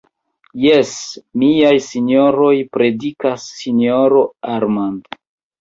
Jes, miaj sinjoroj, predikas sinjoro Armand.